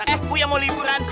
eh buya mau liburan